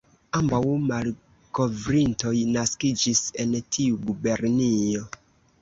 Ambaŭ malkovrintoj naskiĝis en tiu gubernio.